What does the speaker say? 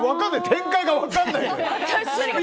展開が分かんないのよ。